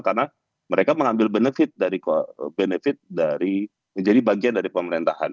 karena mereka mengambil benefit dari menjadi bagian dari pemerintahan